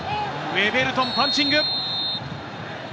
ウェベルトン、パンチング！